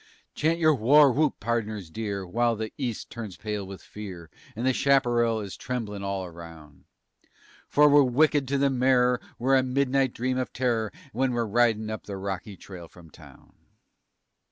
Chant your warwhoop, pardners dear, while the east turns pale with fear And the chaparral is tremblin' all aroun' For we're wicked to the marrer; we're a midnight dream of terror When we're ridin' up the rocky trail from town!